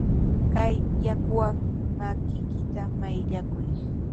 Kay yakuwan makiykita mayllakuy.